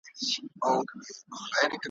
دا څو بیتونه مي، په ډېر تلوار ,